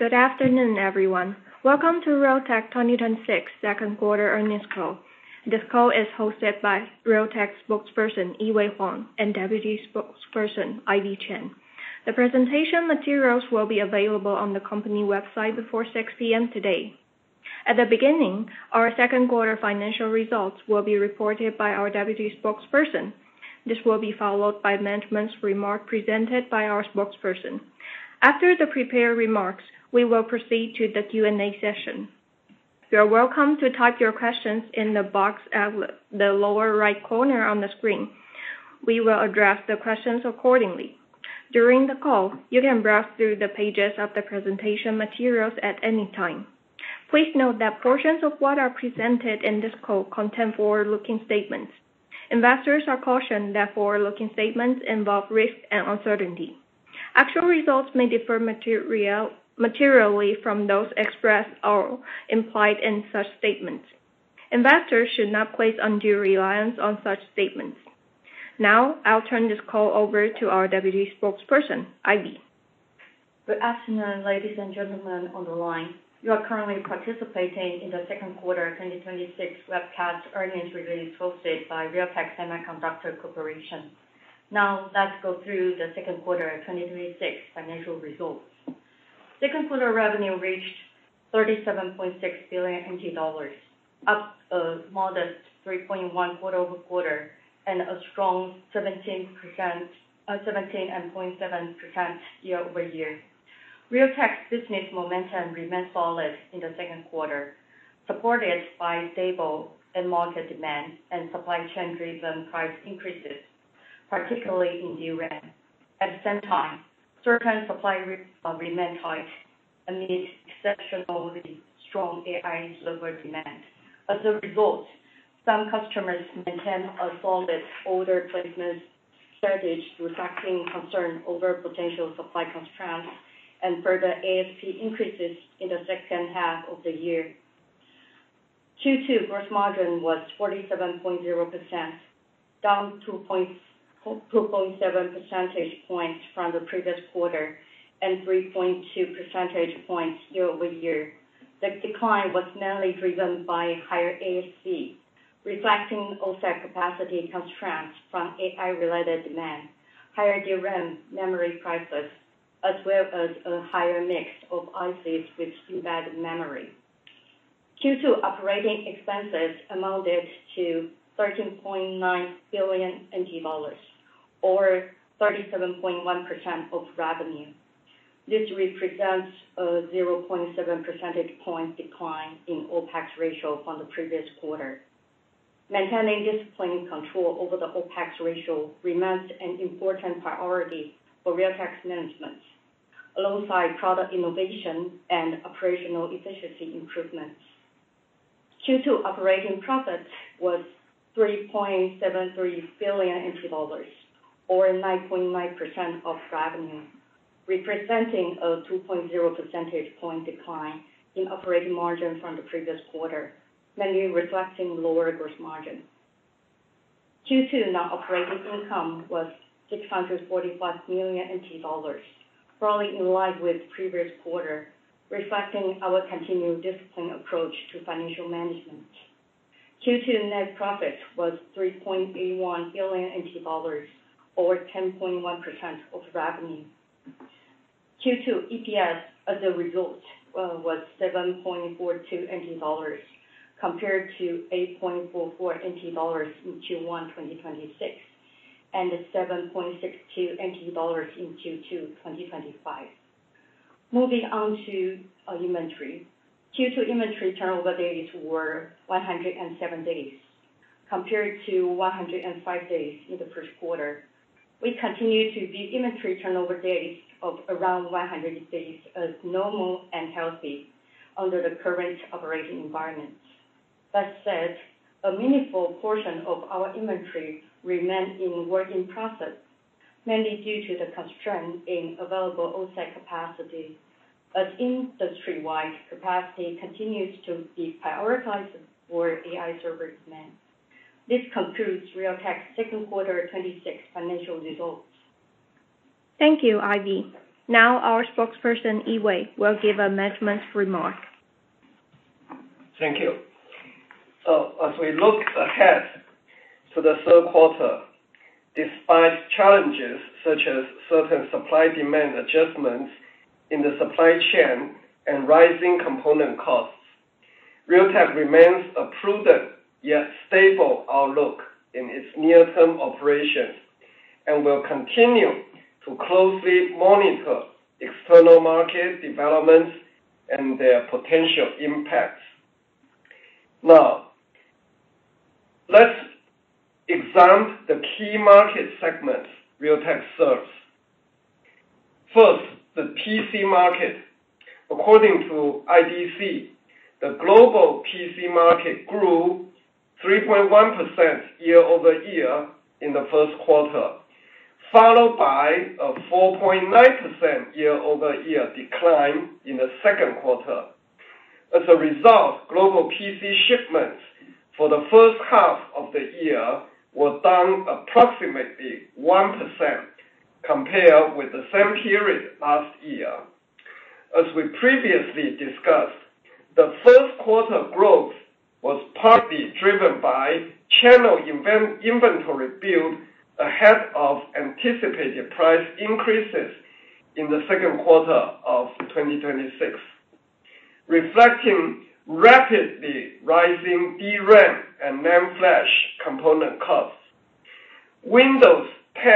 Good afternoon, everyone. Welcome to Realtek 2026 second quarter earnings call. This call is hosted by Realtek Spokesperson, Yee-Wei Huang, and Deputy Spokesperson, Ivy Chen. The presentation materials will be available on the company website before 6:00 P.M. today. At the beginning, our second quarter financial results will be reported by our deputy spokesperson. This will be followed by management's remark presented by our spokesperson. After the prepared remarks, we will proceed to the Q&A session. You are welcome to type your questions in the box at the lower right corner on the screen. We will address the questions accordingly. During the call, you can browse through the pages of the presentation materials at any time. Please note that portions of what are presented in this call contain forward-looking statements. Investors are cautioned that forward-looking statements involve risk and uncertainty. Actual results may differ materially from those expressed or implied in such statements. Investors should not place undue reliance on such statements. I'll turn this call over to our Deputy Spokesperson, Ivy. Good afternoon, ladies and gentlemen, on the line. You are currently participating in the second quarter 2026 webcast earnings release hosted by Realtek Semiconductor Corporation. Let's go through the second quarter 2026 financial results. Second quarter revenue reached 37.6 billion NT dollars, up a modest 3.1% quarter-over-quarter, and a strong 17.7% year-over-year. Realtek's business momentum remained solid in the second quarter, supported by stable end market demand and supply chain-driven price increases, particularly in DRAM. At the same time, certain supply remained tight amid exceptionally strong AI server demand. As a result, some customers maintain a solid order placement strategy, reflecting concern over potential supply constraints and further ASP increases in the second half of the year. Q2 gross margin was 47.0%, down 2.7 percentage points from the previous quarter, and 3.2 percentage points year-over-year. The decline was mainly driven by higher ASP, reflecting OSAT capacity constraints from AI-related demand, higher DRAM memory prices, as well as a higher mix of ICs with embedded memory. Q2 operating expenses amounted to 13.9 billion NT dollars, or 37.1% of revenue. This represents a 0.7 percentage point decline in OpEx ratio from the previous quarter. Maintaining disciplined control over the OpEx ratio remains an important priority for Realtek's management, alongside product innovation and operational efficiency improvements. Q2 operating profit was 3.73 billion dollars, or 9.9% of revenue, representing a 2.0 percentage point decline in operating margin from the previous quarter, mainly reflecting lower gross margin. Q2 net operating income was 645 million NT dollars, broadly in line with the previous quarter, reflecting our continued disciplined approach to financial management. Q2 net profit was 3.81 billion dollars, or 10.1% of revenue. Q2 EPS, as a result, was 7.42 NT dollars, compared to 8.44 NT dollars in Q1 2026, and 7.62 NT dollars in Q2 2025. Moving on to our inventory. Q2 inventory turnover days were 107 days, compared to 105 days in the first quarter. We continue to view inventory turnover days of around 100 days as normal and healthy under the current operating environment. That said, a meaningful portion of our inventory remains in work in process, mainly due to the constraint in available OSAT capacity, as industry-wide capacity continues to be prioritized for AI server demand. This concludes Realtek's second quarter 2026 financial results. Thank you, Ivy. Our spokesperson, Yee-Wei, will give a management remark. Thank you. As we look ahead to the third quarter, despite challenges such as certain supply-demand adjustments in the supply chain and rising component costs, Realtek remains a prudent yet stable outlook in its near-term operations, and will continue to closely monitor external market developments and their potential impacts. Let's examine the key market segments Realtek serves. First, the PC market. According to IDC, the global PC market grew 3.1% year-over-year in the first quarter, followed by a 4.9% year-over-year decline in the second quarter. As a result, global PC shipments for the first half of the year were down approximately 1% compared with the same period last year. As we previously discussed, the first quarter growth was partly driven by channel inventory build ahead of anticipated price increases in the second quarter of 2026, reflecting rapidly rising DRAM and NAND flash component costs. Windows 10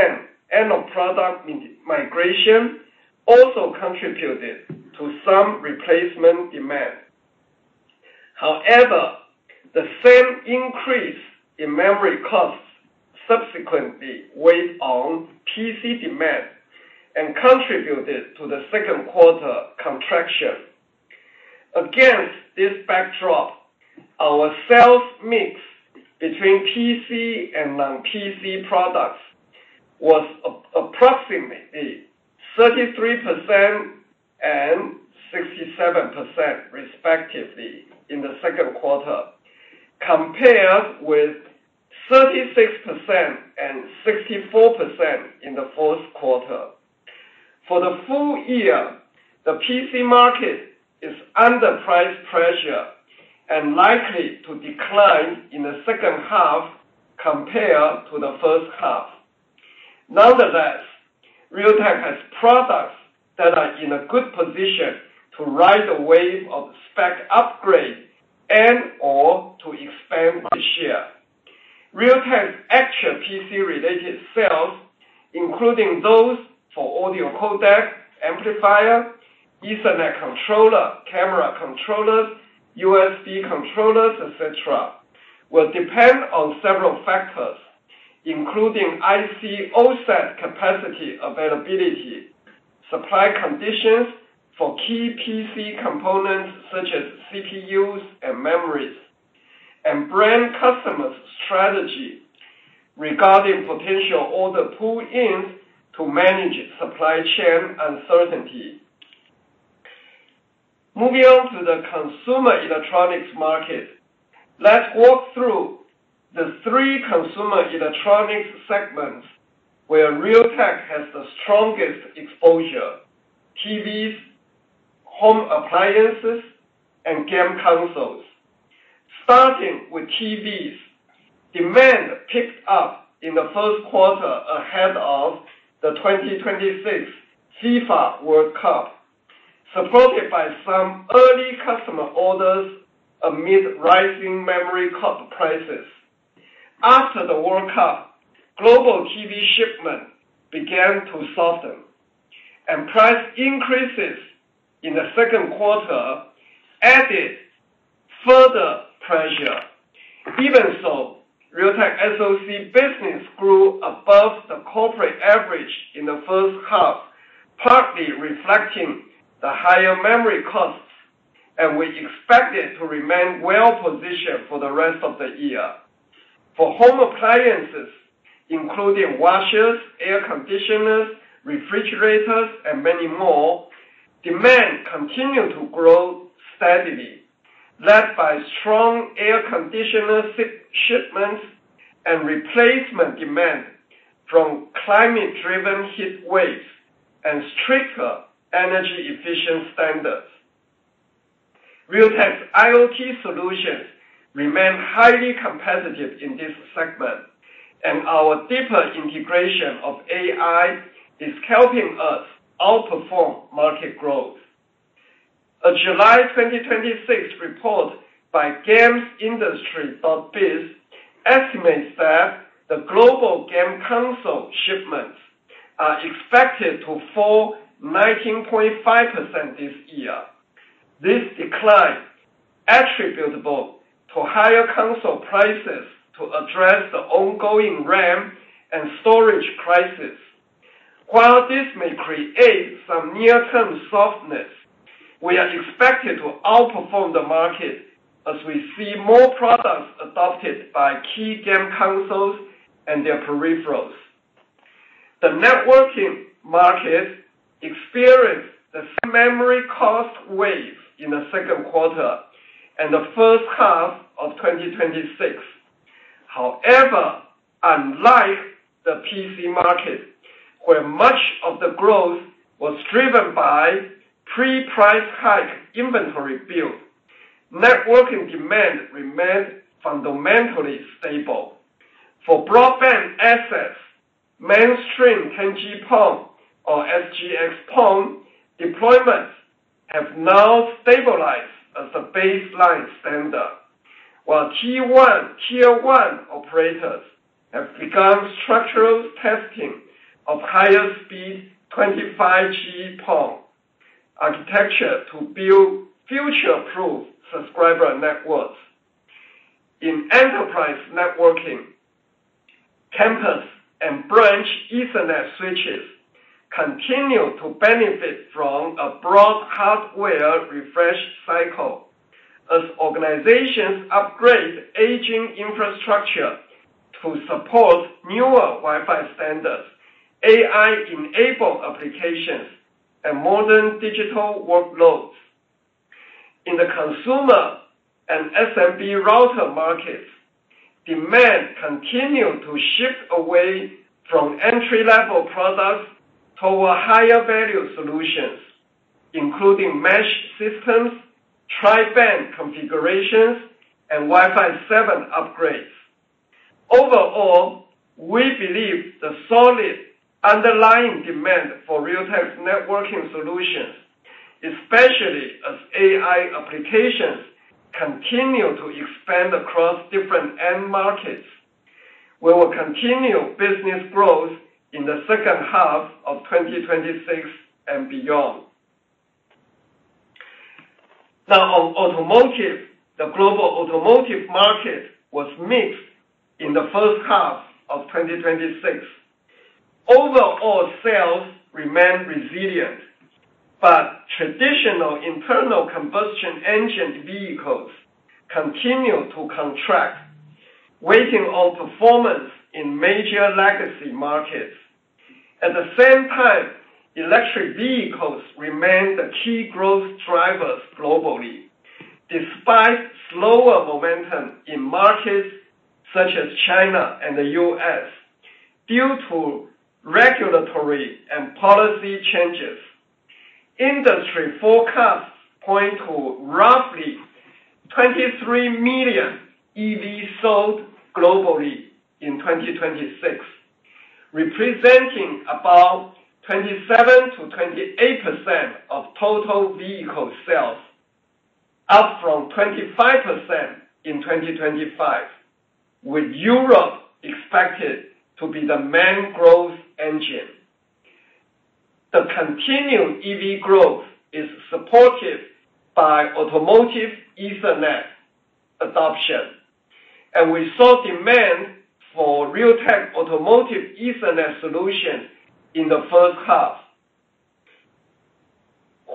end of support migration also contributed to some replacement demand. The same increase in memory costs subsequently weighed on PC demand and contributed to the second quarter contraction. Against this backdrop, our sales mix between PC and non-PC products was approximately 33% and 67%, respectively, in the second quarter, compared with 36% and 64% in the fourth quarter. For the full year, the PC market is under price pressure and likely to decline in the second half compared to the first half. Nonetheless, Realtek has products that are in a good position to ride the wave of spec upgrades and/or to expand the share. Realtek's actual PC related sales, including those for audio codec, amplifier, Ethernet controller, camera controllers, USB controllers, et cetera, will depend on several factors, including IC OSAT capacity availability, supply conditions for key PC components such as CPUs and memories, and brand customers' strategy regarding potential order pull-ins to manage supply chain uncertainty. Moving on to the consumer electronics market. Let's walk through the three consumer electronics segments where Realtek has the strongest exposure: TVs, home appliances, and game consoles. Starting with TVs. Demand picked up in the first quarter ahead of the 2026 FIFA World Cup, supported by some early customer orders amid rising memory cost prices. After the World Cup, global TV shipment began to soften, and price increases in the second quarter added further pressure. Even so, Realtek SoC business grew above the corporate average in the first half, partly reflecting the higher memory costs, and we expect it to remain well-positioned for the rest of the year. For home appliances, including washers, air conditioners, refrigerators, and many more, demand continued to grow steadily, led by strong air conditioner shipments and replacement demand from climate-driven heat waves and stricter energy efficient standards. Realtek's IoT solutions remain highly competitive in this segment, and our deeper integration of AI is helping us outperform market growth. A July 2026 report by gamesindustry.biz estimates that the global game console shipments are expected to fall 19.5% this year. This decline attributable to higher console prices to address the ongoing RAM and storage crisis. While this may create some near-term softness, we are expected to outperform the market as we see more products adopted by key game consoles and their peripherals. The networking market experienced the same memory cost wave in the second quarter and the first half of 2026. However, unlike the PC market, where much of the growth was driven by pre-price hike inventory build, networking demand remained fundamentally stable. For broadband access, mainstream 10G PON or XGS-PON deployments have now stabilized as the baseline standard. While tier one operators have begun structural testing of higher speed 25G PON architecture to build future-proof subscriber networks. In enterprise networking, campus and branch Ethernet switches continue to benefit from a broad hardware refresh cycle as organizations upgrade aging infrastructure to support newer Wi-Fi standards AI-enabled applications and modern digital workloads. In the consumer and SMB router markets, demand continued to shift away from entry-level products toward higher value solutions, including mesh systems, tri-band configurations, and Wi-Fi 7 upgrades. Overall, we believe the solid underlying demand for Realtek's networking solutions, especially as AI applications continue to expand across different end markets, will continue business growth in the second half of 2026 and beyond. Now on automotive. The global automotive market was mixed in the first half of 2026. Overall sales remained resilient, but traditional internal combustion engine vehicles continued to contract, weighing on performance in major legacy markets. At the same time, electric vehicles remained the key growth drivers globally, despite slower momentum in markets such as China and the U.S., due to regulatory and policy changes. Industry forecasts point to roughly 23 million EV sold globally in 2026, representing about 27%-28% of total vehicle sales, up from 25% in 2025, with Europe expected to be the main growth engine. The continued EV growth is supported by automotive Ethernet adoption, we saw demand for Realtek automotive Ethernet solutions in the first half,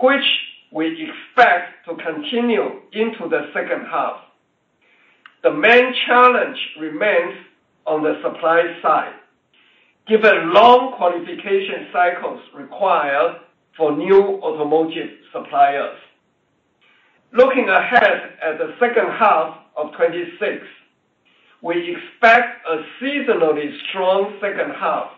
which we expect to continue into the second half. The main challenge remains on the supply side, given long qualification cycles required for new automotive suppliers. Looking ahead at the second half of 2026, we expect a seasonally strong second half,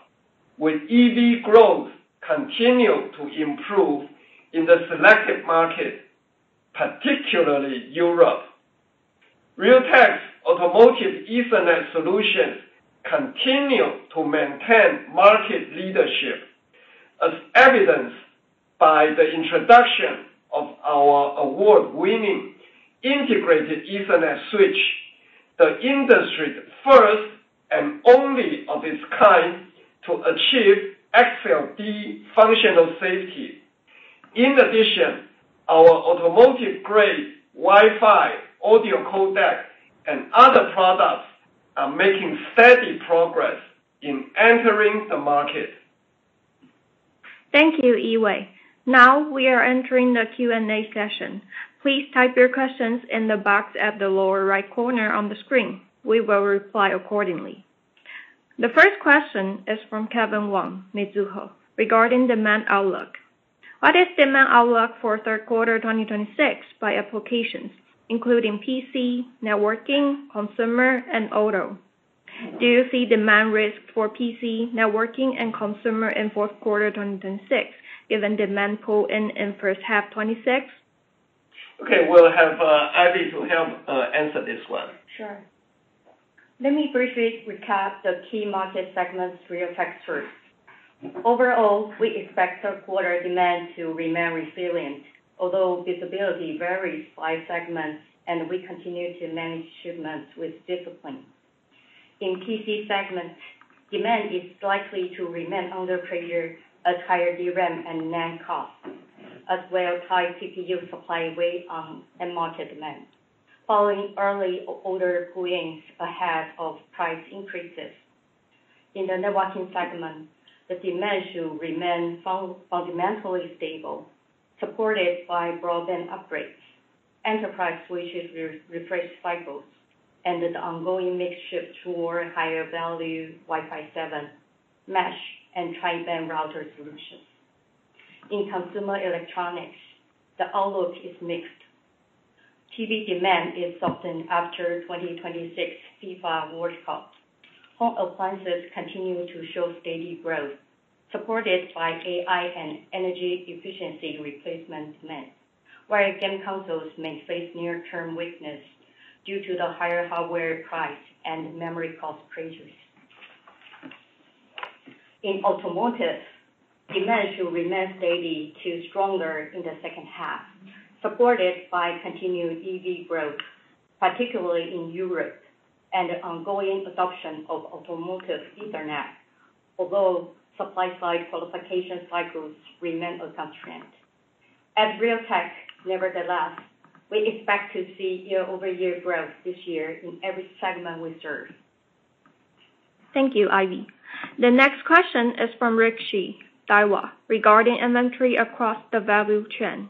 with EV growth continue to improve in the selected market, particularly Europe. Realtek's automotive Ethernet solutions continue to maintain market leadership, as evidenced by the introduction of our award-winning integrated Ethernet switch, the industry's first and only of its kind to achieve ASIL D functional safety. In addition, our automotive-grade Wi-Fi audio codec and other products are making steady progress in entering the market. Thank you, Yee-Wei. Now we are entering the Q&A session. Please type your questions in the box at the lower right corner on the screen. We will reply accordingly. The first question is from Kelvin Wong, Mizuho, regarding demand outlook. What is demand outlook for third quarter 2026 by applications, including PC, networking, consumer and auto? Do you see demand risk for PC, networking, and consumer in fourth quarter 2026, given demand pull in in first half 2026? Okay. We'll have Ivy to help answer this one. Sure. Let me briefly recap the key market segments Realtek serves. Overall, we expect third quarter demand to remain resilient, although visibility varies by segment, we continue to manage shipments with discipline. In PC segment, demand is likely to remain under pressure as higher DRAM and NAND costs, as well high CPU supply weigh on end market demand. Following early order pull-ins ahead of price increases. In the networking segment, the demand should remain fundamentally stable, supported by broadband upgrades, enterprise switches refresh cycles, and the ongoing mix shift toward higher value Wi-Fi 7, mesh, and tri-band router solutions. In consumer electronics, the outlook is mixed. TV demand is softened after 2026 FIFA World Cup. Home appliances continue to show steady growth, supported by AI and energy efficiency replacement demand. Game consoles may face near term weakness due to the higher hardware price and memory cost pressures. In automotive, demand should remain steady to stronger in the second half, supported by continued EV growth, particularly in Europe, and the ongoing adoption of automotive Ethernet, although supply side qualification cycles remain a constraint. At Realtek, nevertheless, we expect to see year-over-year growth this year in every segment we serve. Thank you, Ivy. The next question is from Rick Shi, Daiwa, regarding inventory across the value chain.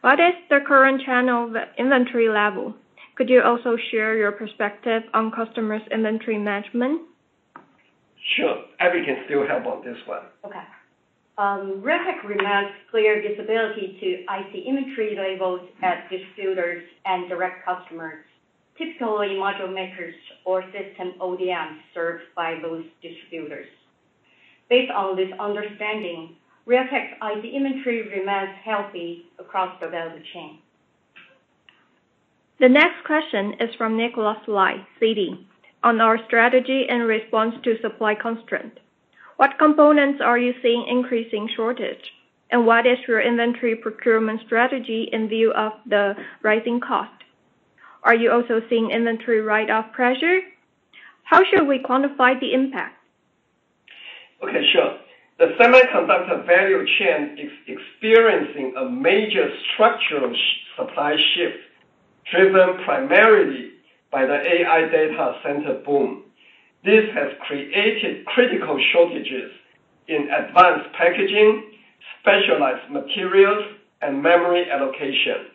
What is the current channel inventory level? Could you also share your perspective on customers' inventory management? Sure. Ivy can still help on this one. Okay. Realtek remains clear visibility to IC inventory levels at distributors and direct customers, typically module makers or system ODMs served by those distributors. Based on this understanding, Realtek IC inventory remains healthy across the value chain. The next question is from Nick Lai, Citi, on our strategy in response to supply constraint. What components are you seeing increasing shortage? What is your inventory procurement strategy in view of the rising cost? Are you also seeing inventory write-off pressure? How should we quantify the impact? Okay, sure. The semiconductor value chain is experiencing a major structural supply shift, driven primarily by the AI data center boom. This has created critical shortages in advanced packaging, specialized materials, and memory allocation.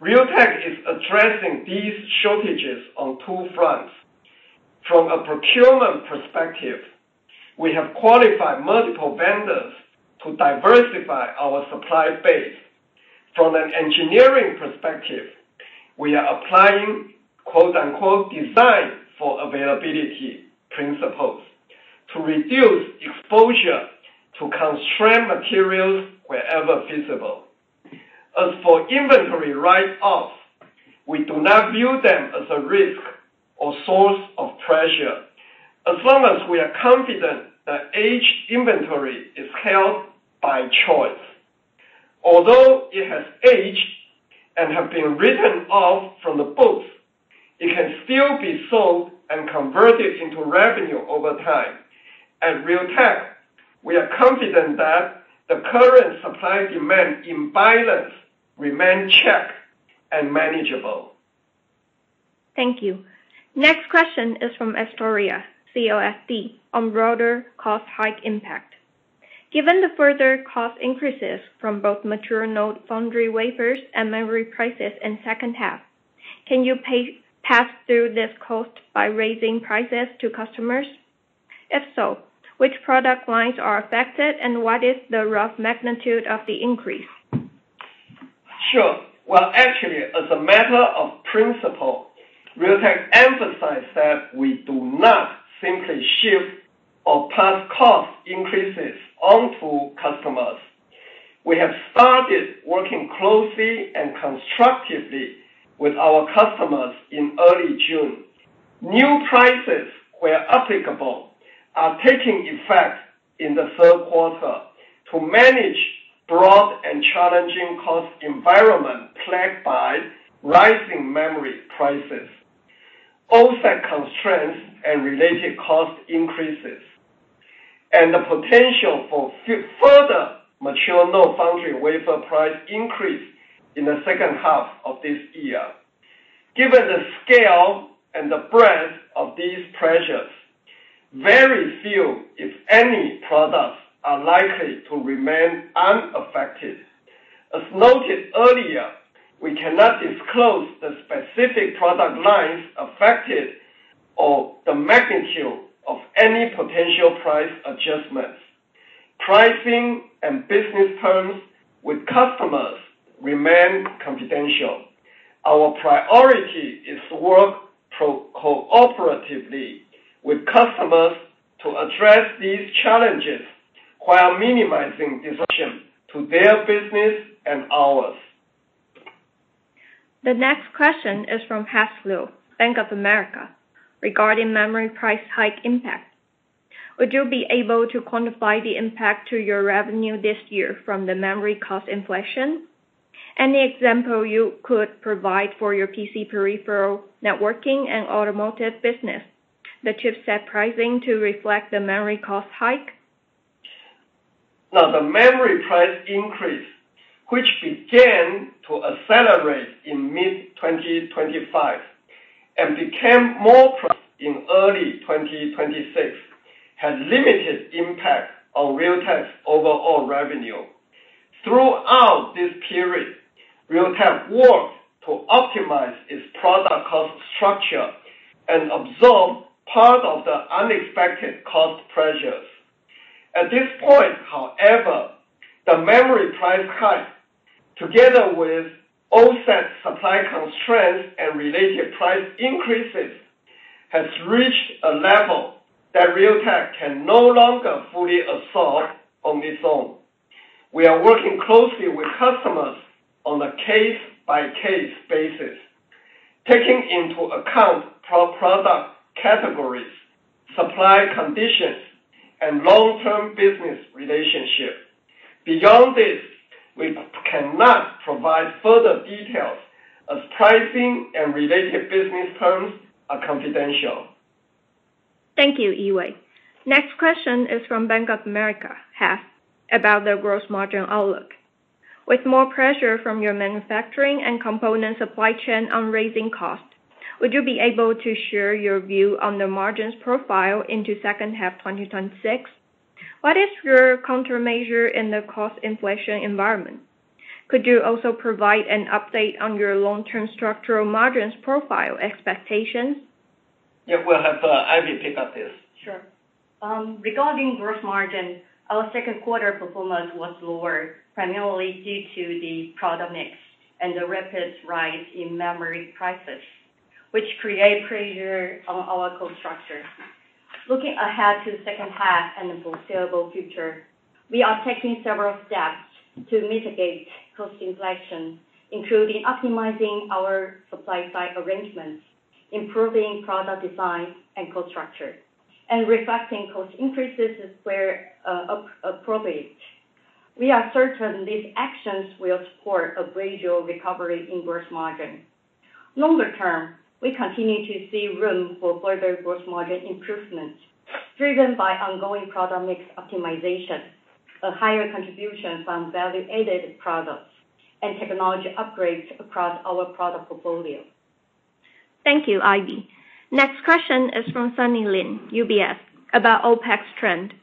Realtek is addressing these shortages on two fronts. From a procurement perspective, we have qualified multiple vendors to diversify our supply base. From an engineering perspective, we are applying, quote unquote, "design for availability principles" to reduce exposure to constrained materials wherever feasible. As for inventory write-offs, we do not view them as a risk or source of pressure as long as we are confident that aged inventory is held by choice. Although it has aged and have been written off from the books, it can still be sold and converted into revenue over time. At Realtek, we are confident that the current supply-demand imbalance remains checked and manageable. Thank you. Next question is from Astoria, [CLST], on broader cost hike impact. Given the further cost increases from both mature node foundry wafers and memory prices in second half, can you pass through this cost by raising prices to customers? If so, which product lines are affected, and what is the rough magnitude of the increase? Sure. Well, actually, as a matter of principle, Realtek emphasize that we do not simply shift or pass cost increases onto customers. We have started working closely and constructively with our customers in early June. New prices, where applicable, are taking effect in the third quarter to manage broad and challenging cost environment plagued by rising memory prices, OSAT constraints and related cost increases, and the potential for further mature node foundry wafer price increase in the second half of this year. Given the scale and the breadth of these pressures, very few, if any, products are likely to remain unaffected. As noted earlier, we cannot disclose the specific product lines affected or the magnitude of any potential price adjustments. Pricing and business terms with customers remain confidential. Our priority is to work cooperatively with customers to address these challenges while minimizing disruption to their business and ours. The next question is from Haas Liu, Bank of America, regarding memory price hike impact. Would you be able to quantify the impact to your revenue this year from the memory cost inflation? Any example you could provide for your PC peripheral, networking, and automotive business, the chipset pricing to reflect the memory cost hike? The memory price increase, which began to accelerate in mid-2025 and became more pronounced in early 2026, had limited impact on Realtek's overall revenue. Throughout this period, Realtek worked to optimize its product cost structure and absorb part of the unexpected cost pressures. At this point, however, the memory price hike, together with OSAT supply constraints and related price increases, has reached a level that Realtek can no longer fully absorb on its own. We are working closely with customers on a case-by-case basis, taking into account product categories, supply conditions, and long-term business relationship. Beyond this, we cannot provide further details as pricing and related business terms are confidential. Thank you, Yee-Wei. Next question is from Bank of America, Haas, about the gross margin outlook. With more pressure from your manufacturing and component supply chain on raising cost, would you be able to share your view on the margins profile into second half 2026? What is your countermeasure in the cost inflation environment? Could you also provide an update on your long-term structural margins profile expectations? Yeah. We'll have Ivy pick up this. Sure. Regarding gross margin, our second quarter performance was lower, primarily due to the product mix and the rapid rise in memory prices, which create pressure on our cost structure. Looking ahead to the second half and the foreseeable future, we are taking several steps to mitigate cost inflation, including optimizing our supply side arrangements, improving product design and cost structure, and reflecting cost increases where appropriate. We are certain these actions will support a gradual recovery in gross margin. Longer term, we continue to see room for further gross margin improvements driven by ongoing product mix optimization, a higher contribution from value-added products, and technology upgrades across our product portfolio. Thank you, Ivy. Next question is from Sunny Lin, UBS, about OpEx trend.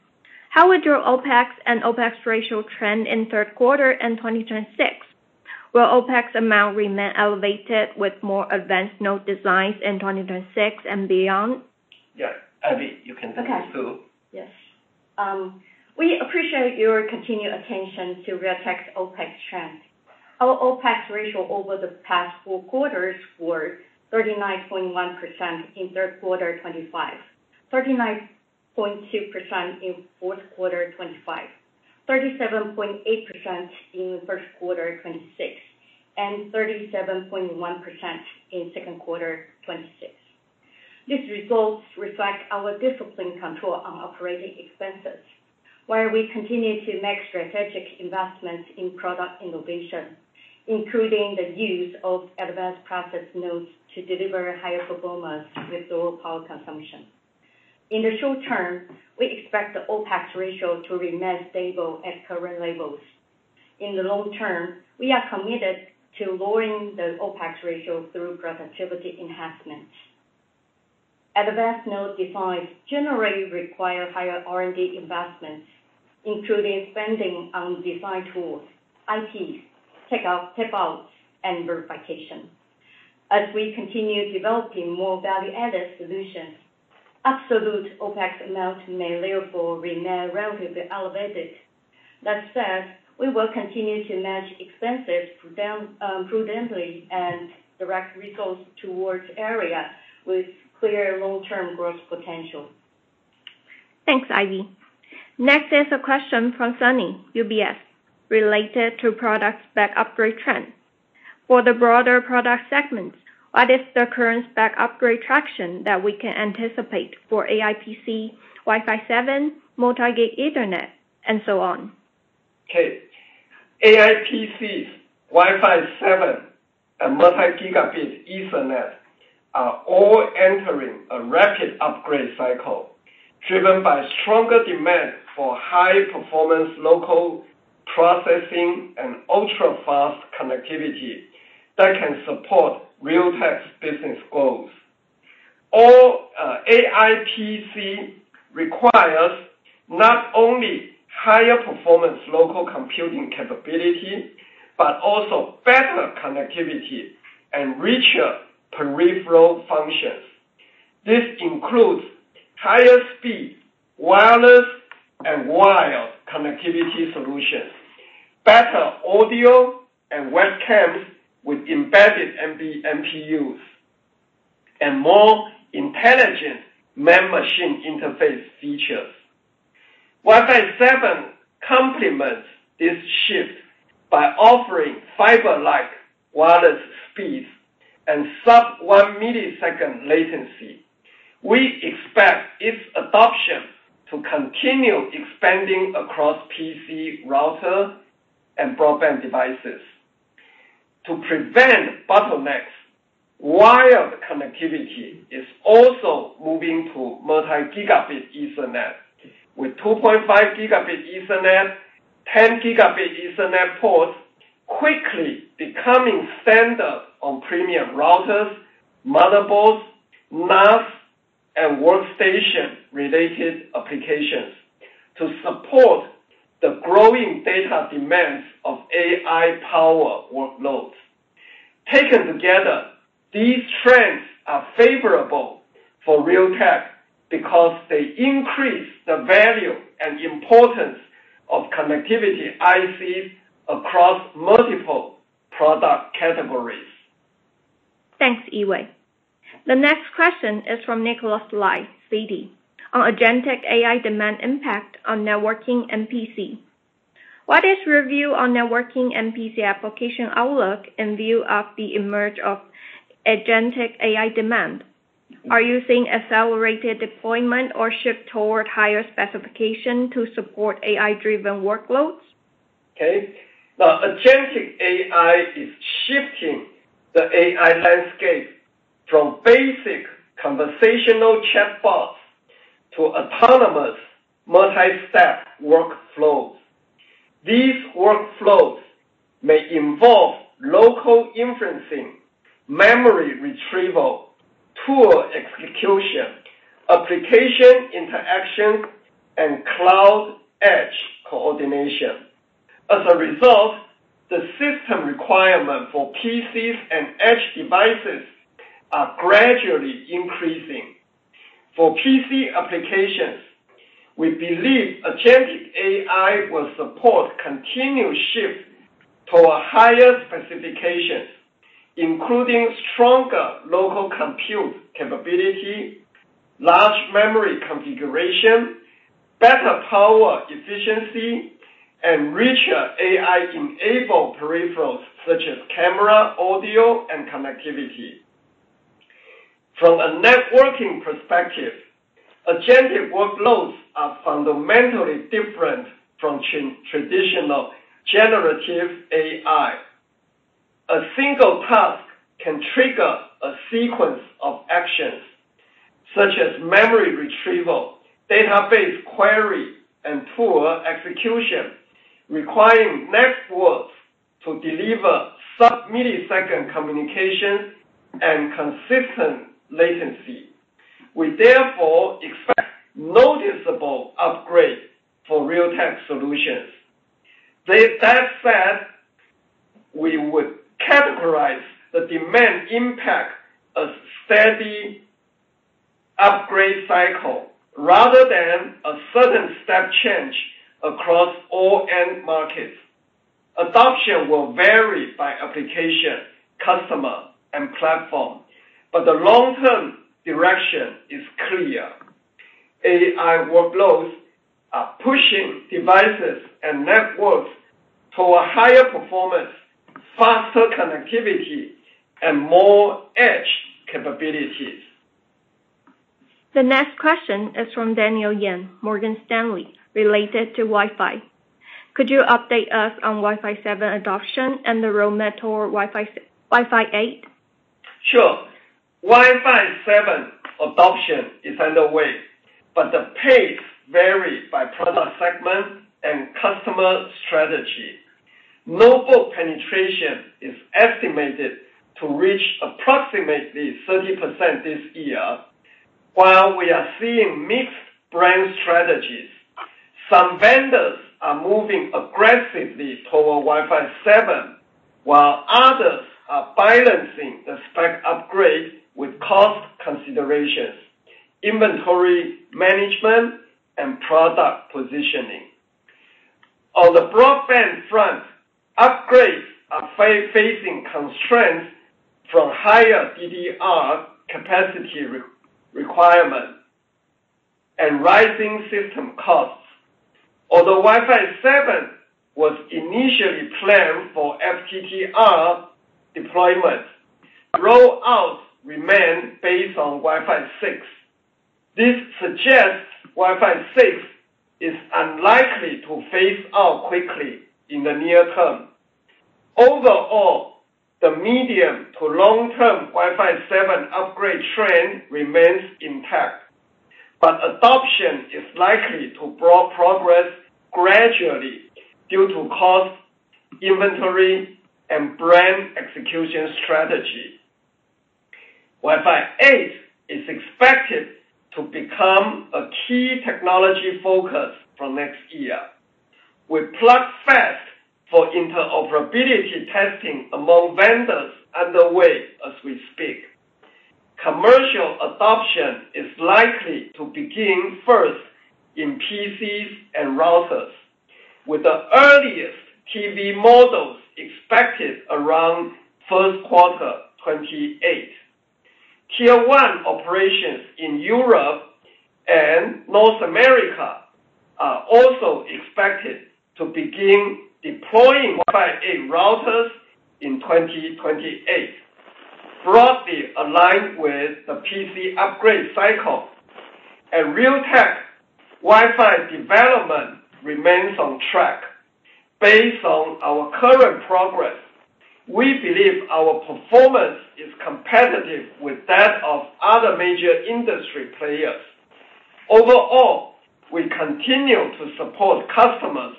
How would your OpEx and OpEx ratio trend in third quarter and 2026? Will OpEx amount remain elevated with more advanced node designs in 2026 and beyond? Yeah. Ivy, you can take this, too. Okay. Yes. We appreciate your continued attention to Realtek's OpEx trend. Our OpEx ratio over the past four quarters were 39.1% in Q3 2025, 39.2% in Q4 2025, 37.8% in Q1 2026, and 37.1% in Q2 2026. These results reflect our disciplined control on operating expenses, where we continue to make strategic investments in product innovation, including the use of advanced process nodes to deliver higher performance with lower power consumption. In the short term, we expect the OpEx ratio to remain stable at current levels. In the long term, we are committed to lowering the OpEx ratio through productivity enhancements. Advanced node designs generally require higher R&D investments, including spending on design tools, IPs, tape-outs, and verification. As we continue developing more value-added solutions, absolute OpEx amount may therefore remain relatively elevated. That said, we will continue to manage expenses prudently and direct resources towards areas with clear long-term growth potential. Thanks, Ivy. Next is a question from Sunny, UBS, related to product spec upgrade trend. For the broader product segments, what is the current spec upgrade traction that we can anticipate for AI PC, Wi-Fi 7, multi-gig Ethernet, and so on? Okay. AI PCs, Wi-Fi 7, and multi-gigabit Ethernet are all entering a rapid upgrade cycle driven by stronger demand for high performance local processing and ultra-fast connectivity that can support Realtek's business growth. All AI PC requires not only higher performance local computing capability but also better connectivity and richer peripheral functions. This includes higher speed wireless and wired connectivity solutions, better audio and webcams with embedded MPUs, and more intelligent man-machine interface features. Wi-Fi 7 complements this shift by offering fiber-like wireless speeds and sub-one millisecond latency. We expect its adoption to continue expanding across PC router and broadband devices. To prevent bottlenecks, wired connectivity is also moving to multi-gigabit ethernet, with 2.5 Gb ethernet, 10 Gb ethernet ports quickly becoming standard on premium routers, motherboards, NAS, and workstation related applications to support the growing data demands of AI power workloads. Taken together, these trends are favorable for Realtek because they increase the value and importance of connectivity ICs across multiple product categories. Thanks, Yee-Wei. The next question is from Nick Lai, Citi, on agentic AI demand impact on networking and PC. What is your view on networking and PC application outlook in view of the emergence of agentic AI demand? Are you seeing accelerated deployment or shift toward higher specification to support AI driven workloads? Okay. The agentic AI is shifting the AI landscape from basic conversational chatbots to autonomous multi step workflows. These workflows may involve local inferencing, memory retrieval, tool execution, application interaction, and cloud edge coordination. As a result, the system requirement for PCs and edge devices are gradually increasing. For PC applications, we believe agentic AI will support continued shift toward higher specifications, including stronger local compute capability, large memory configuration, better power efficiency, and richer AI enabled peripherals such as camera, audio, and connectivity. From a networking perspective, agentic workloads are fundamentally different from traditional generative AI. A single task can trigger a sequence of actions, such as memory retrieval, database query, and tool execution, requiring networks to deliver sub millisecond communication and consistent latency. We, therefore, expect noticeable upgrades for Realtek solutions. That said, we would categorize the demand impact a steady upgrade cycle rather than a sudden step change across all end markets. Adoption will vary by application, customer, and platform, but the long-term direction is clear. AI workloads are pushing devices and networks toward higher performance, faster connectivity, and more edge capabilities. The next question is from Daniel Yen, Morgan Stanley, related to Wi-Fi. Could you update us on Wi-Fi 7 adoption and the roadmap for Wi-Fi 8? Sure. Wi-Fi 7 adoption is underway, but the pace varies by product segment and customer strategy. Notebook penetration is estimated to reach approximately 30% this year. While we are seeing mixed brand strategies, some vendors are moving aggressively toward Wi-Fi 7, while others are balancing the spec upgrades with cost considerations, inventory management, and product positioning. On the broadband front, upgrades are facing constraints from higher DDR capacity requirements and rising system costs. Although Wi-Fi 7 was initially planned for FTTR deployment, rollouts remain based on Wi-Fi 6. This suggests Wi-Fi 6 is unlikely to phase out quickly in the near term. Overall, the medium to long-term Wi-Fi 7 upgrade trend remains intact, but adoption is likely to progress gradually due to cost, inventory, and brand execution strategy. Wi-Fi 8 is expected to become a key technology focus from next year, with plugfest for interoperability testing among vendors underway as we speak. Commercial adoption is likely to begin first in PCs and routers, with the earliest TV models expected around first quarter 2028. Tier 1 operations in Europe and North America are also expected to begin deploying Wi-Fi 8 routers in 2028, broadly aligned with the PC upgrade cycle. At Realtek, Wi-Fi development remains on track. Based on our current progress, we believe our performance is competitive with that of other major industry players. Overall, we continue to support customers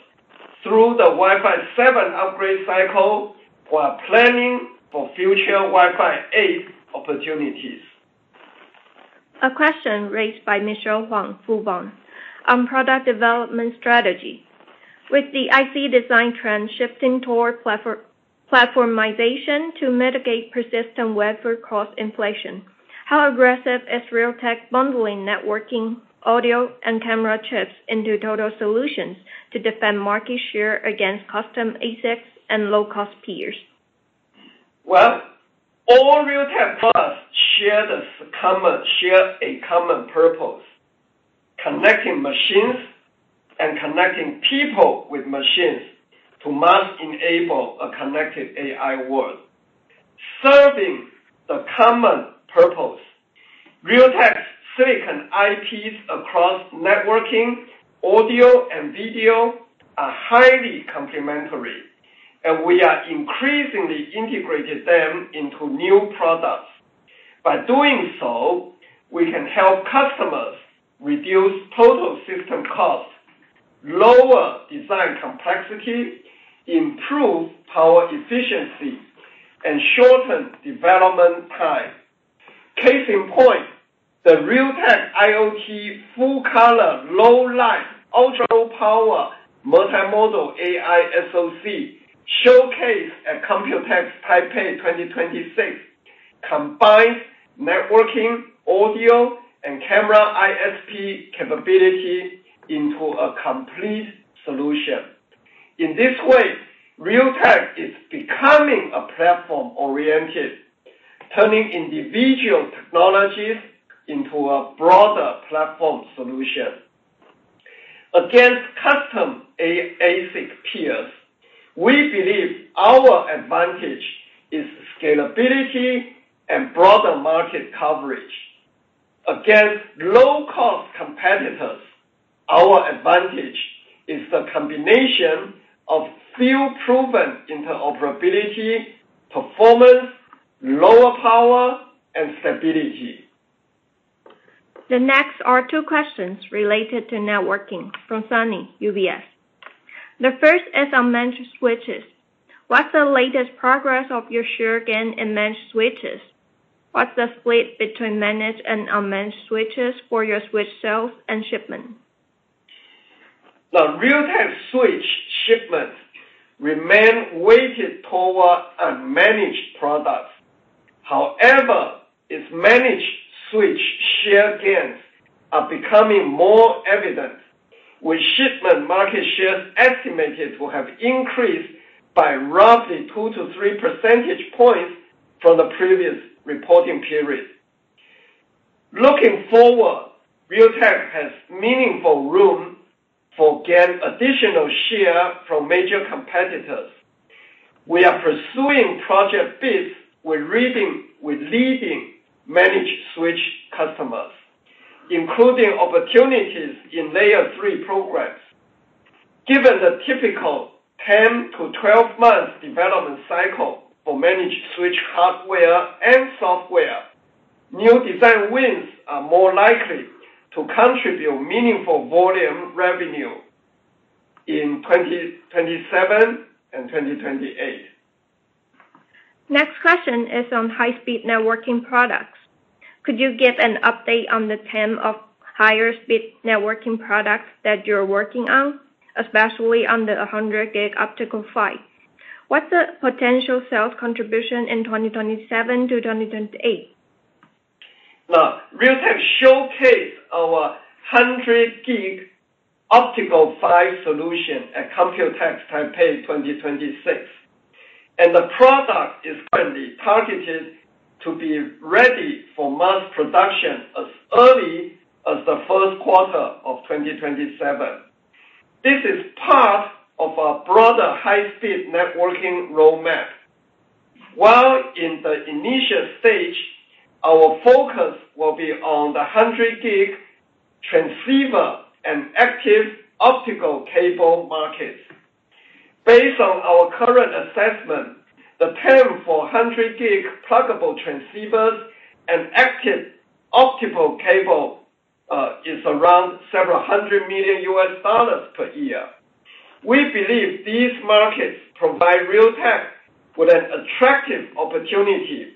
through the Wi-Fi 7 upgrade cycle while planning for future Wi-Fi 8 opportunities. A question raised by Michelle Huang, Fubon, on product development strategy. With the IC design trend shifting toward platformization to mitigate persistent wafer cost inflation, how aggressive is Realtek bundling networking, audio, and camera chips into total solutions to defend market share against custom ASICs and low-cost peers? Well, all Realtek products share a common purpose: connecting machines and connecting people with machines to mass enable a connected AI world. Serving the common purpose, Realtek silicon IPs across networking, audio, and video are highly complementary, and we are increasingly integrating them into new products. By doing so, we can help customers reduce total system cost, lower design complexity, improve power efficiency, and shorten development time. Case in point, the Realtek IoT full-color, low light, ultra-low power, multimodal AI SoC showcase at COMPUTEX Taipei 2026 combines networking, audio, and camera ISP capability into a complete solution. In this way, Realtek is becoming a platform oriented, turning individual technologies into a broader platform solution. Against custom ASIC peers, we believe our advantage is scalability and broader market coverage. Against low-cost competitors, our advantage is the combination of field-proven interoperability, performance, lower power, and stability. The next are two questions related to networking from Sunny, UBS. The first is on managed switches. What's the latest progress of your share gain in managed switches? What's the split between managed and unmanaged switches for your switch sales and shipment? The Realtek switch shipments remain weighted toward unmanaged products. However, its managed switch share gains are becoming more evident with shipment market shares estimated to have increased by roughly two to three percentage points from the previous reporting period. Looking forward, Realtek has meaningful room for gain additional share from major competitors. We are pursuing project bids with leading managed switch customers, including opportunities in layer three programs. Given the typical 10 to 12 months development cycle for managed switch hardware and software, new design wins are more likely to contribute meaningful volume revenue in 2027 and 2028. Next question is on high-speed networking products. Could you give an update on the TAM of higher speed networking products that you're working on, especially on the 100G optical PHY? What's the potential sales contribution in 2027 to 2028? Realtek showcased our 100G optical PHY solution at COMPUTEX Taipei 2026, and the product is currently targeted to be ready for mass production as early as the first quarter of 2027. This is part of our broader high-speed networking roadmap. While in the initial stage, our focus will be on the 100G transceiver and active optical cable markets. Based on our current assessment, the TAM for 100G pluggable transceivers and active optical cable is around several hundred million US dollars per year. We believe these markets provide Realtek with an attractive opportunity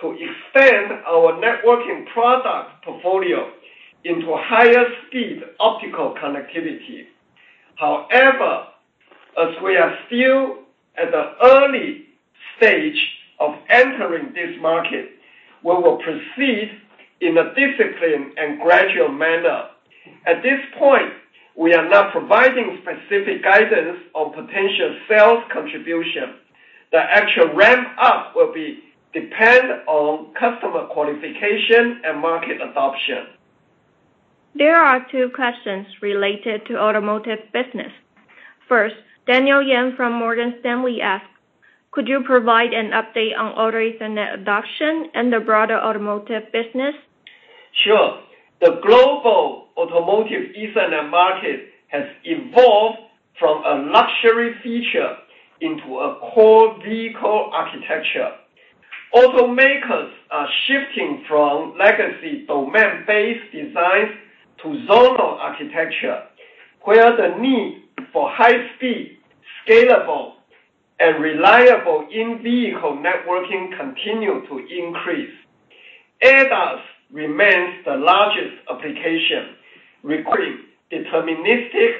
to expand our networking product portfolio into higher speed optical connectivity. As we are still at the early stage of entering this market, we will proceed in a disciplined and gradual manner. At this point, we are not providing specific guidance on potential sales contribution. The actual ramp-up will depend on customer qualification and market adoption. There are two questions related to automotive business. First, Daniel Yen from Morgan Stanley asks, "Could you provide an update on Automotive Ethernet adoption and the broader automotive business? Sure. The global Automotive Ethernet market has evolved from a luxury feature into a core vehicle architecture. Automakers are shifting from legacy domain-based designs to zonal architecture, where the need for high speed, scalable, and reliable in-vehicle networking continue to increase. ADAS remains the largest application, requiring deterministic,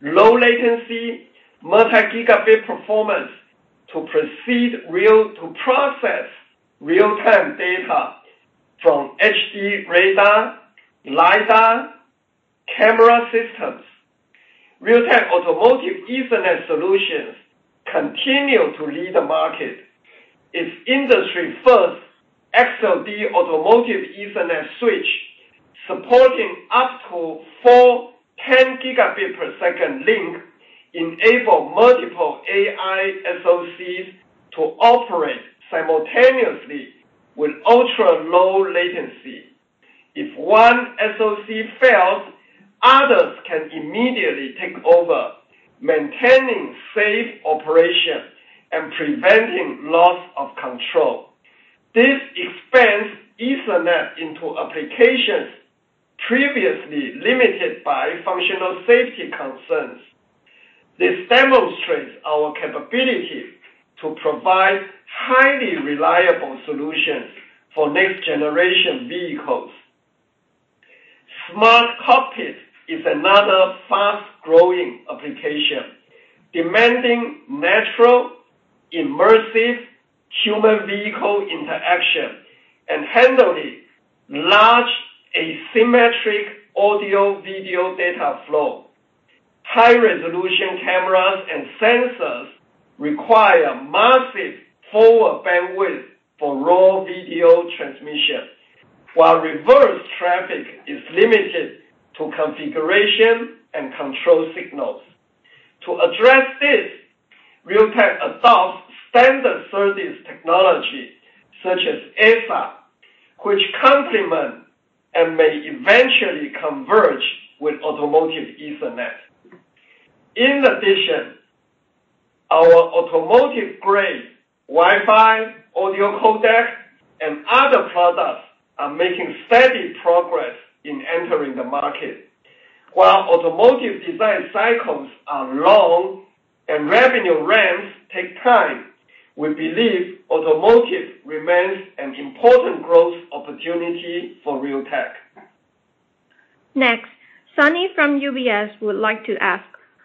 low latency, multi-gigabit performance to process real-time data from HD radar, lidar, camera systems. Realtek Automotive Ethernet solutions continue to lead the market. Its industry-first XL7 automotive Ethernet switch, supporting up to four 10 Gb-per-second link, enable multiple AI SoCs to operate simultaneously with ultra-low latency. If one SoC fails immediately take over, maintaining safe operation and preventing loss of control. This expands Ethernet into applications previously limited by functional safety concerns. This demonstrates our capability to provide highly reliable solutions for next generation vehicles. Smart Cockpit is another fast-growing application, demanding natural, immersive human-vehicle interaction, and handling large asymmetric audio-video data flow. High resolution cameras and sensors require massive forward bandwidth for raw video transmission. While reverse traffic is limited to configuration and control signals. To address this, Realtek adopts standard services technology such as ASA, which complement and may eventually converge with Automotive Ethernet. In addition, our automotive grade Wi-Fi, audio codec, and other products are making steady progress in entering the market. While automotive design cycles are long and revenue ramps take time, we believe automotive remains an important growth opportunity for Realtek. Next, Sunny from UBS would like to ask,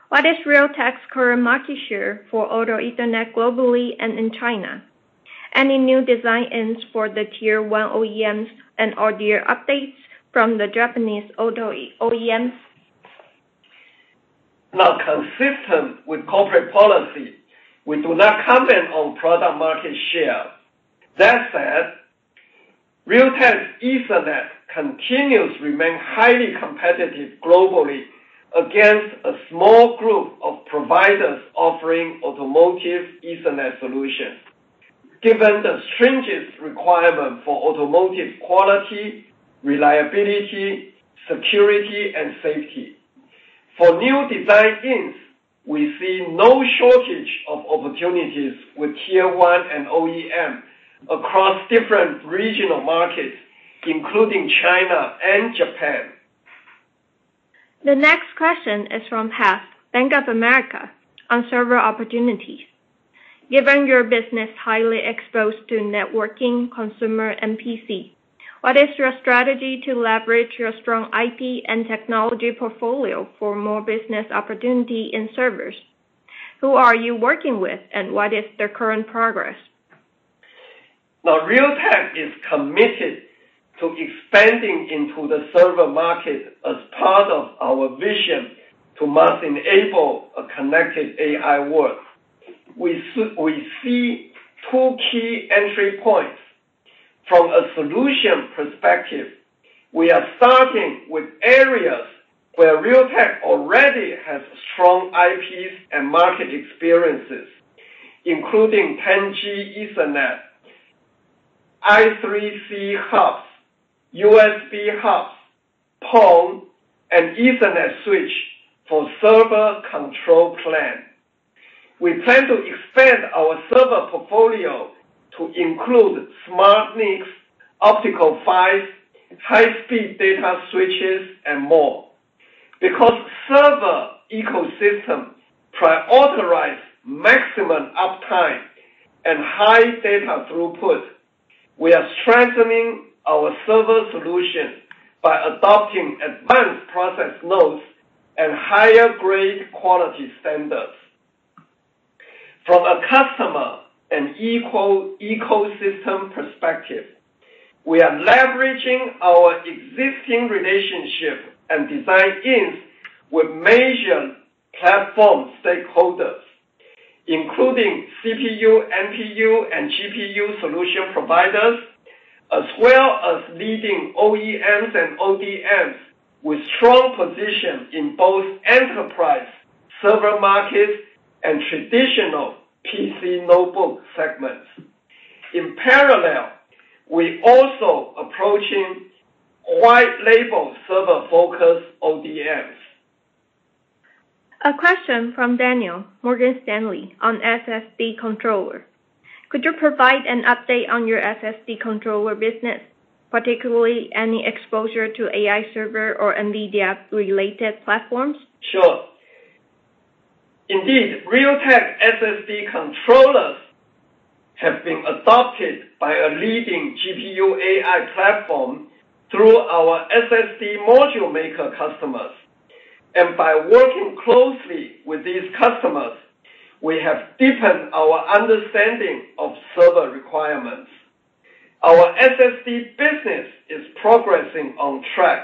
what is Realtek's current market share for Automotive Ethernet globally and in China? Any new design-ins for the tier one OEMs and are there updates from the Japanese auto OEMs? Consistent with corporate policy, we do not comment on product market share. That said, Realtek's Ethernet continues to remain highly competitive globally against a small group of providers offering Automotive Ethernet solutions. Given the stringent requirement for automotive quality, reliability, security and safety. For new design wins, we see no shortage of opportunities with tier one and OEM across different regional markets, including China and Japan. The next question is from Haas, Bank of America, on server opportunities. Given your business highly exposed to networking, consumer, and PC, what is your strategy to leverage your strong IP and technology portfolio for more business opportunity in servers? Who are you working with and what is their current progress? Realtek is committed to expanding into the server market as part of our vision to enable a connected AI world. We see two key entry points. From a solution perspective, we are starting with areas where Realtek already has strong IPs and market experiences, including 10G Ethernet, I3C hubs, USB hubs, PON, and Ethernet switch for server control plane. We plan to expand our server portfolio to include smart NICs, optical PHYs, high-speed data switches, and more. Because server ecosystems prioritize maximum uptime and high data throughput, we are strengthening our server solution by adopting advanced process nodes and higher grade quality standards. From a customer and ecosystem perspective, we are leveraging our existing relationship and design wins with major platform stakeholders, including CPU, NPU, and GPU solution providers, as well as leading OEMs and ODMs with strong position in both enterprise server markets and traditional PC notebook segments. In parallel, we are also approaching white-box server focus ODMs. A question from Daniel, Morgan Stanley, on SSD controller. Could you provide an update on your SSD controller business, particularly any exposure to AI server or NVIDIA related platforms? Sure. Indeed, Realtek SSD controllers have been adopted by a leading GPU AI platform through our SSD module maker customers. By working closely with these customers, we have deepened our understanding of server requirements. Our SSD business is progressing on track,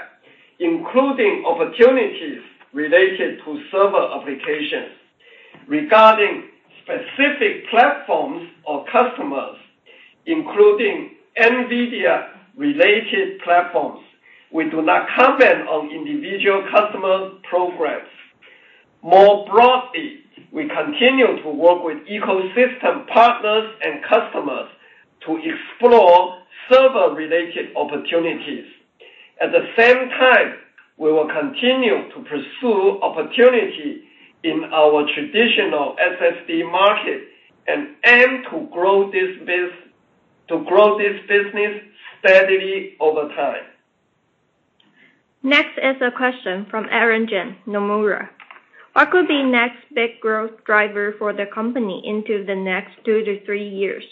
including opportunities related to server applications. Regarding specific platforms or customers, including NVIDIA related platforms, we do not comment on individual customer progress. More broadly, we continue to work with ecosystem partners and customers to explore server-related opportunities. At the same time, we will continue to pursue opportunity in our traditional SSD market and aim to grow this business steadily over time. Next is a question from Aaron Jeng, Nomura. What could be next big growth driver for the company into the next two to three years?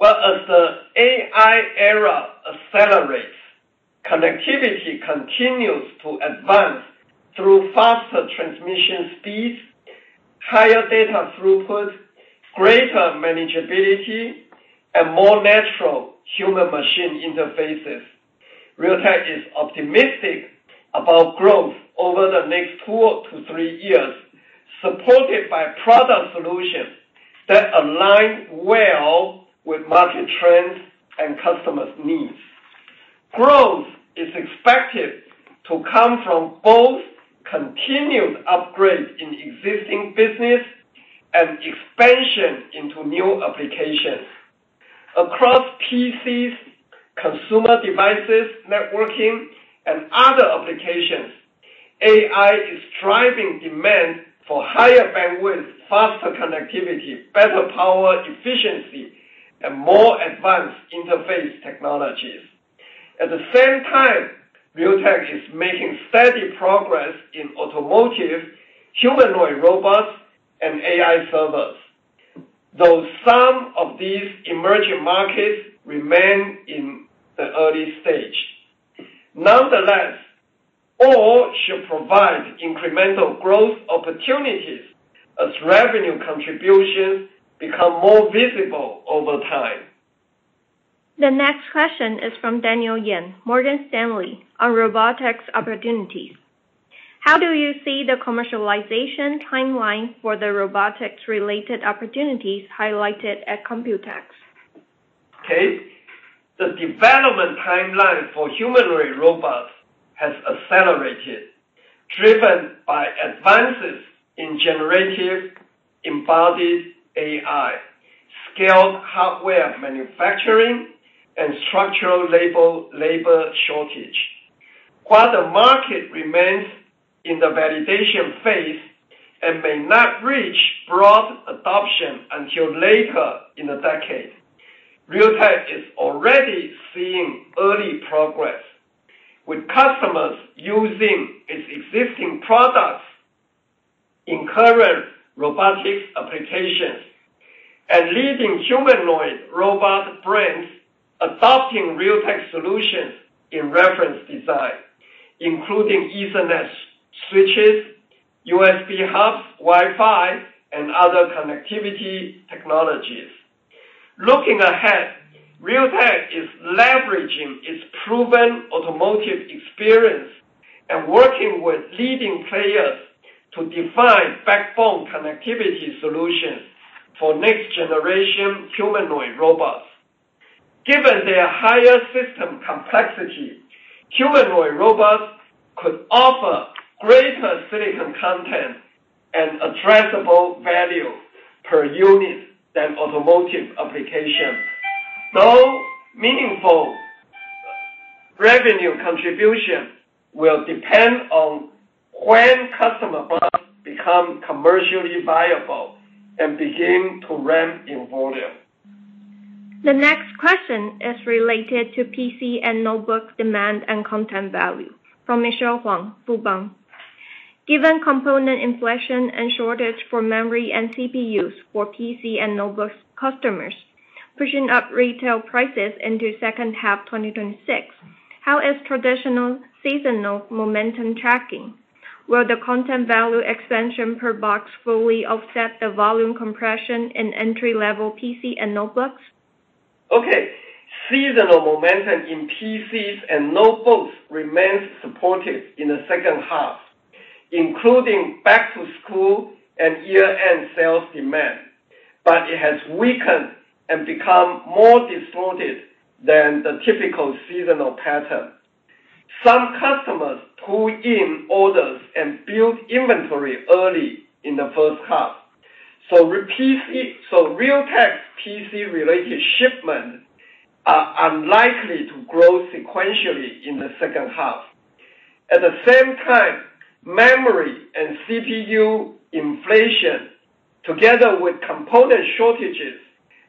Well, as the AI era accelerates, connectivity continues to advance through faster transmission speeds, higher data throughput, greater manageability, and more natural human machine interfaces. Realtek is optimistic about growth over the next two to three years, supported by product solutions that align well with market trends and customers' needs. Growth is expected to come from both continued upgrades in existing business and expansion into new applications. Across PCs, consumer devices, networking, and other applications, AI is driving demand for higher bandwidth, faster connectivity, better power efficiency, and more advanced interface technologies. At the same time, Realtek is making steady progress in automotive, humanoid robots, and AI servers, though some of these emerging markets remain in the early stage. Nonetheless, all should provide incremental growth opportunities as revenue contributions become more visible over time. The next question is from Daniel Yen, Morgan Stanley, on robotics opportunities. How do you see the commercialization timeline for the robotics related opportunities highlighted at COMPUTEX? Okay. The development timeline for humanoid robots has accelerated, driven by advances in generative embodied AI, skilled hardware manufacturing, and structural labor shortage. The market remains in the validation phase and may not reach broad adoption until later in the decade, Realtek is already seeing early progress, with customers using its existing products in current robotics applications and leading humanoid robot brands adopting Realtek solutions in reference design, including Ethernet switches, USB hubs, Wi-Fi, and other connectivity technologies. Realtek is leveraging its proven automotive experience and working with leading players to define backbone connectivity solutions for next generation humanoid robots. Given their higher system complexity, humanoid robots could offer greater silicon content and addressable value per unit than automotive application. Meaningful revenue contribution will depend on when customer products become commercially viable and begin to ramp in volume. The next question is related to PC and notebook demand and content value from Michelle Huang, Fubon. Given component inflation and shortage for memory and CPUs for PC and notebooks customers pushing up retail prices into second half 2026, how is traditional seasonal momentum tracking? Will the content value expansion per box fully offset the volume compression in entry-level PC and notebooks? Okay. Seasonal momentum in PCs and notebooks remains supportive in the second half, including back to school and year-end sales demand, it has weakened and become more distorted than the typical seasonal pattern. Some customers pull in orders and build inventory early in the first half. Realtek's PC related shipments are unlikely to grow sequentially in the second half. At the same time, memory and CPU inflation, together with component shortages,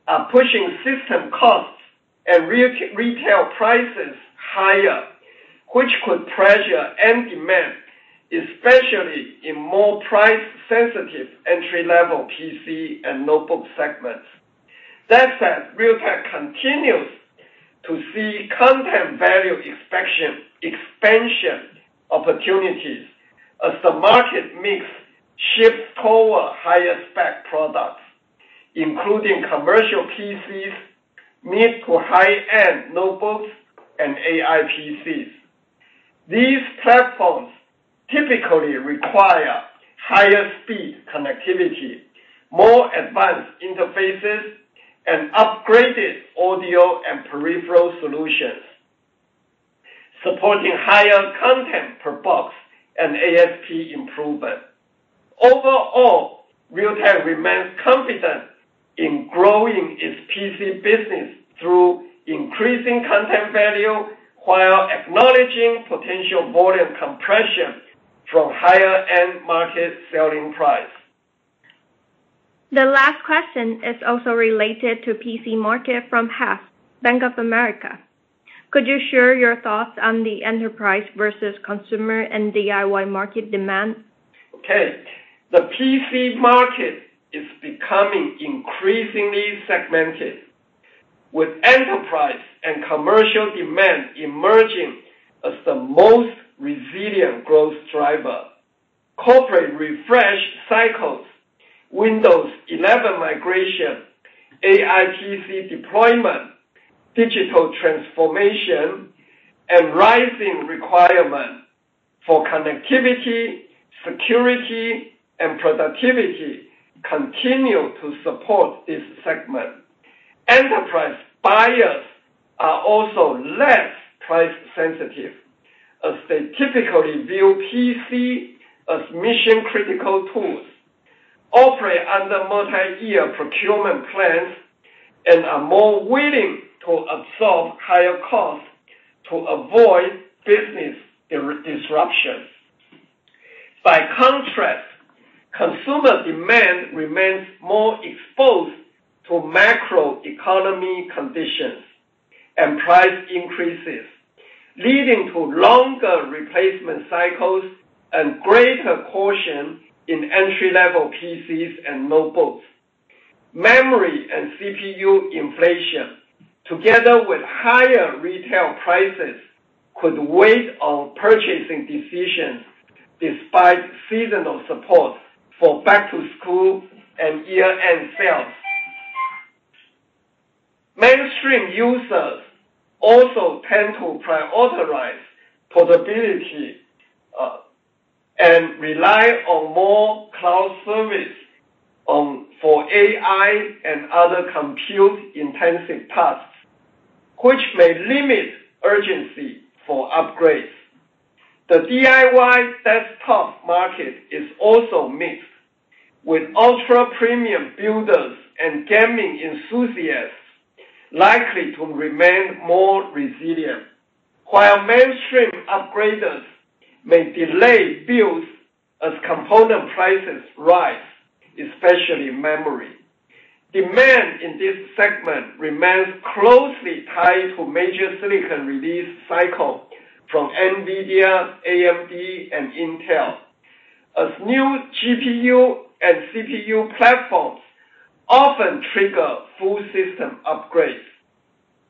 are pushing system costs and retail prices higher, which could pressure end demand, especially in more price sensitive entry-level PC and notebook segments. That said, Realtek continues to see content value expansion opportunities as the market mix shifts toward higher spec products, including commercial PCs, mid to high-end notebooks, and AI PCs. These platforms typically require higher speed connectivity, more advanced interfaces, and upgraded audio and peripheral solutions, supporting higher content per box and ASP improvement. Overall, Realtek remains confident in growing its PC business through increasing content value while acknowledging potential volume compression from higher end market selling price. The last question is also related to PC market from Haf, Bank of America. Could you share your thoughts on the enterprise versus consumer and DIY market demand? Okay. The PC market is becoming increasingly segmented, with enterprise and commercial demand emerging as the most resilient growth driver. Corporate refresh cycles, Windows 11 migration, AI PC deployment, digital transformation, and rising requirement for connectivity, security, and productivity continue to support this segment. Enterprise buyers are also less price sensitive, as they typically view PC as mission-critical tools, operate under multi-year procurement plans, and are more willing to absorb higher costs to avoid business disruptions. By contrast, consumer demand remains more exposed to macro economy conditions and price increases, leading to longer replacement cycles and greater caution in entry-level PCs and notebooks. Memory and CPU inflation, together with higher retail prices, could weigh on purchasing decisions despite seasonal support for back to school and year-end sales. Mainstream users also tend to prioritize portability, and rely on more cloud service for AI and other compute intensive tasks, which may limit urgency for upgrades. The DIY desktop market is also mixed, with ultra-premium builders and gaming enthusiasts likely to remain more resilient. While mainstream upgraders may delay builds as component prices rise, especially memory. Demand in this segment remains closely tied to major silicon release cycle from NVIDIA, AMD, and Intel, as new GPU and CPU platforms often trigger full system upgrades.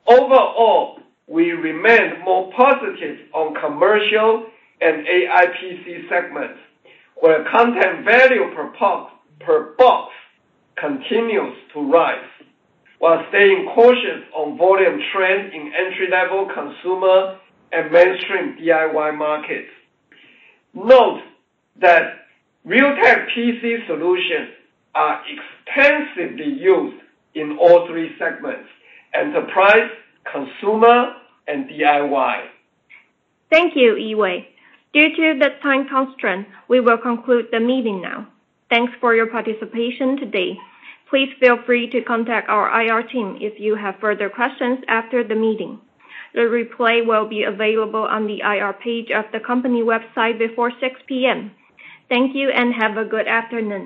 Overall, we remain more positive on commercial and AI PC segments, where content value per box continues to rise, while staying cautious on volume trend in entry-level consumer and mainstream DIY markets. Note that Realtek PC solutions are extensively used in all three segments: enterprise, consumer, and DIY. Thank you, Yee-Wei. Due to the time constraint, we will conclude the meeting now. Thanks for your participation today. Please feel free to contact our IR team if you have further questions after the meeting. The replay will be available on the IR page of the company website before 6:00 P.M. Thank you. Have a good afternoon.